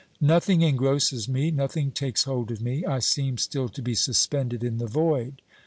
Nothing engrosses me, nothing takes hold of me ; I seem still to be suspended in the void.